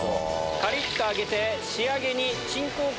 カリっと揚げて仕上げに。